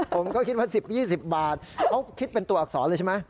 ผมก็คิดว่า๑๐๒๐บาทเขาคิดเป็นตัวอักษรเลยใช่ไหม